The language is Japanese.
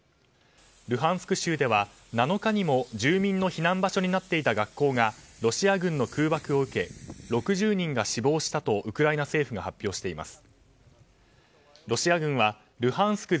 ルハンスク州では７日にも住民の避難場所になっていた学校がロシア軍の空爆を受け６０人が死亡したとウクライナ政府が発表しています。